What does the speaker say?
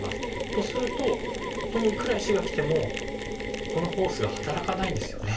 とするとここにいくら石がきてもこのフォースが働かないんですよね。